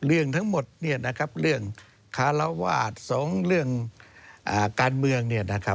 เรื่องทั้งหมดเรื่องคารวาสสงฆ์เรื่องการเมือง